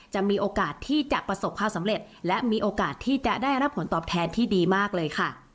จะมีโอกาสที่จะประสบความสำเร็จและมีโอกาสที่จะได้รับผลตอบแทนที่ดีมากเลยค่ะ